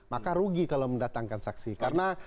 maka rugi kalau mendatangkan saksi karena